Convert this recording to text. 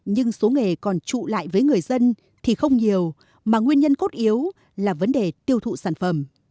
nhưng số nghề còn trụ lại với người dân thì không nhiều mà nguyên nhân cốt yếu là vấn đề tiêu thụ sản phẩm